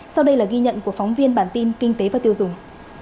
sau đây là ghi nhận của phóng viên bản tin kinh tế và tiêu dùng